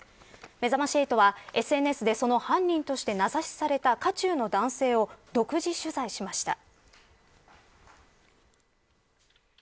めざまし８はＳＮＳでその犯人として名指しされた渦中の男性を独自取材しました。